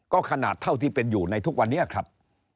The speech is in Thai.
ก็ขนาดเท่าที่เป็นอยู่ในทุกวันนี้ครับ